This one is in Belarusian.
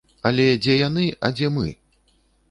Але дзе яны, а дзе мы?